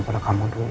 pada kamu dulu